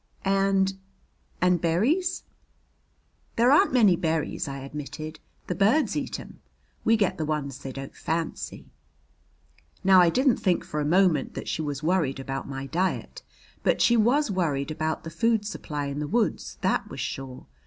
"And and berries?" "There aren't many berries," I admitted. "The birds eat 'em. We get the ones they don't fancy." Now I didn't think for a moment that she was worried about my diet, but she was worried about the food supply in the woods, that was sure.